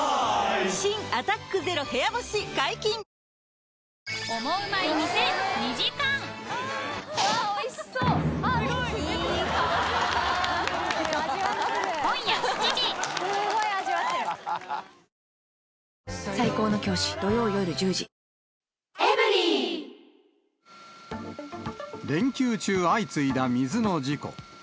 新「アタックＺＥＲＯ部屋干し」解禁‼連休中、相次いだ水の事故。